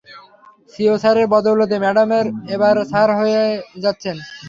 CO স্যারের বদৌলতে madam এবার স্যার হয়ে যাচ্ছেন।